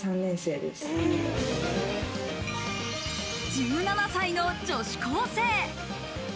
１７歳の女子高生。